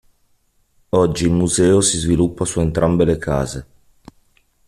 Oggi il museo si sviluppa su entrambe le case.